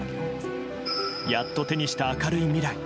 やっと手にした明るい未来。